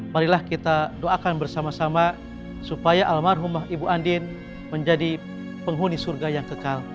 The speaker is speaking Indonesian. marilah kita doakan bersama sama supaya almarhum ibu andin menjadi penghuni surga yang kekal